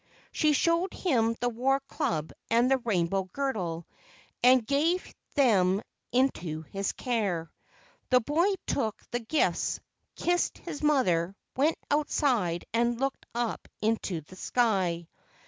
She showed him the war club and the rainbow girdle, and gave them into his care. The boy took the gifts, kissed his mother, went outside and looked up into the sky.